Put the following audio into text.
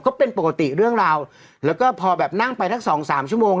ก็เป็นปกติเรื่องราวแล้วก็พอแบบนั่งไปทั้งสองสามชั่วโมง